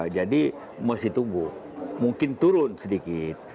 jadi masih tumbuh mungkin turun sedikit